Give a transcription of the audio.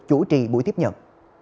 chủ trì buổi tiếp nhận